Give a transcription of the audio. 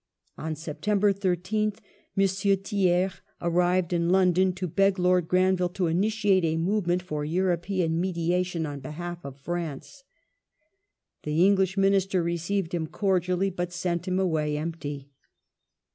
On September IBth M. Thiers arrived in London to beg Lord Granville to initiate a movement for European mediation on behalf of France. The English Minister received him cordially but sent him away empty.